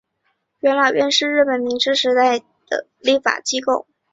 元老院是日本明治时代的立法机构。